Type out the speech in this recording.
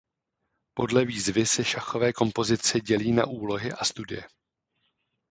Podle výzvy se šachové kompozice dělí na úlohy a studie.